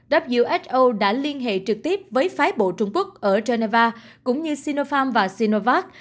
chúng tôi đang liên hệ trực tiếp với phái bộ trung quốc ở geneva cũng như sinopharm và sinovac